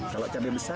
kalau cabai besar